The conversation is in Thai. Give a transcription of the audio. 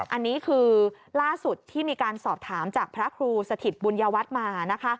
อันนี้คือล่าสุดที่มีการสอบถามจากพระครูสถิตบุญญวัฒน์มานะคะ